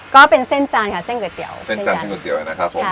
ก็เป็นเส้นจานค่ะเส้นเก๋อเตี๋ยวเส้นจานเส้นเก๋อเตี๋ยวน่ะครับผมใช่